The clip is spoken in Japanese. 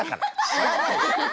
知らないでしょ？